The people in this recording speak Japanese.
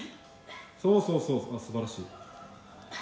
「そうそうそうそう素晴らしい」